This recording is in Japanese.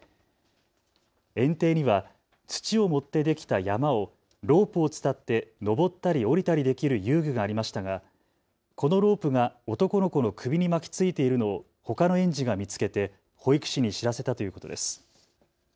園庭には土を盛ってできた山をロープを伝って登ったり降りたりできる遊具がありましたがこのロープが男の子の首に巻きついているのをほかの園児が見つけて保育士に知らせたということです。